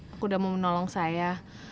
aku udah mau menolong saya